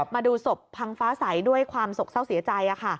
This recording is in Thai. มาดูศพพังฟ้าใสด้วยความสกเศร้าเสียใจ